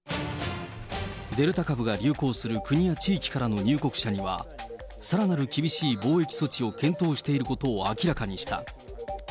デルタ株が流行する国や地域からの入国者には、さらなる厳しい防疫措置を検討していることを明らかにした。